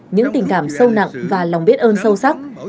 những tình cảm sâu nặng và lòng biết ơn sâu sắc